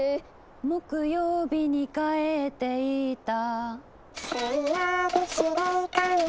「木曜日に帰っていった」